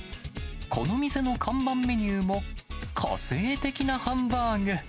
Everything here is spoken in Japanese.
この店の看板メニューも、個性的なハンバーグ。